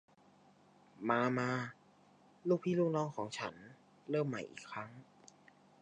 มา มา ลูกพี่ลูกน้องของฉัน เริ่มใหม่อีกครั้ง